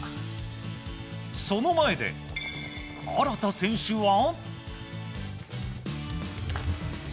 その前で荒田選手は。